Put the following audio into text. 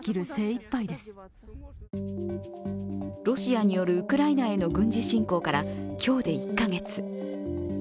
ロシアによるウクライナへの軍事侵攻から今日で１カ月。